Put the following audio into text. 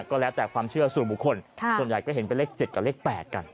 ก็แล้วแต่ความเชื่อส่วนบุคคลส่วนใหญ่ก็เห็นเป็นเลข๗กับเลข๘กัน